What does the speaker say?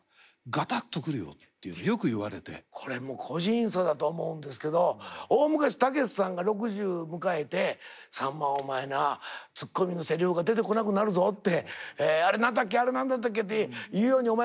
これもう個人差だとは思うんですけど大昔たけしさんが６０迎えて「さんまお前なツッコミのせりふが出てこなくなるぞ」って「あれ何だっけあれ何だったっけって言うようにお前